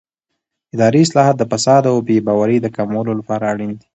اداري اصلاحات د فساد او بې باورۍ د کمولو لپاره اړین دي